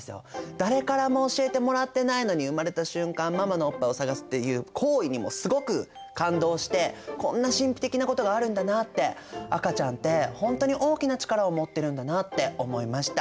誰からも教えてもらってないのに生まれた瞬間ママのおっぱいを探すっていう行為にもすごく感動してこんな神秘的なことがあるんだなって赤ちゃんってほんとに大きな力を持ってるんだなって思いました。